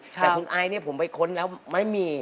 ตักเดิม